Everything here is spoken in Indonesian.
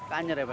ke anyar ya pak